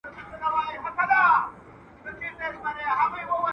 ولي محنتي ځوان د هوښیار انسان په پرتله ښه ځلېږي؟